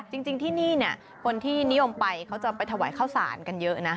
จริงที่นี่เนี่ยคนที่นิยมไปเขาจะไปถวายข้าวสารกันเยอะนะ